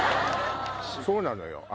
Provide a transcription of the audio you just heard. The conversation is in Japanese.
そうなのよ